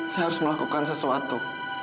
saya harus melakukan sesuatu